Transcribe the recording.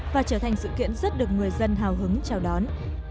và trở thành sự kiện rất được người dân hào hứng chào đón